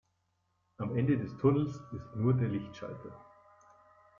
Am Ende des Tunnels ist nur der Lichtschalter.